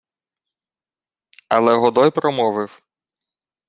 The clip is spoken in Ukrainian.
Але Годой промовив: